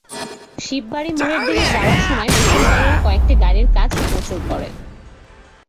শিববাড়ী মোড়ের দিকে যাওয়ার সময় মিছিলকারীরা কয়েকটি গাড়ির কাচ ভাঙচুর করে।